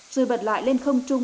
rồi bật lại lên không trung